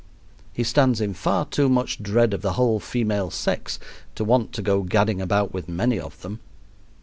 He stands in far too much dread of the whole female sex to want to go gadding about with many of them.